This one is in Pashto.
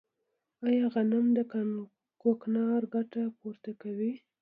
آیا غنم د کوکنارو ګټه پوره کوي؟